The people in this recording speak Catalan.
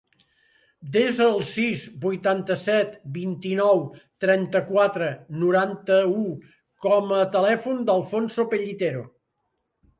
Desa el sis, vuitanta-set, vint-i-nou, trenta-quatre, noranta-u com a telèfon de l'Alfonso Pellitero.